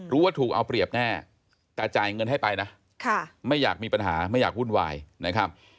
รู้ว่าถูกเอาเปรียบแน่แต่จ่ายเงินให้ไปนะไม่อยากมีปัญหาไม่อยากวุ่นวายนะครับ